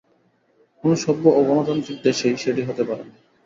কোনো সভ্য ও গণতান্ত্রিক দেশেই সেটি হতে পারে না।